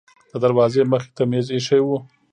د دروازې مخې ته میز ایښی و.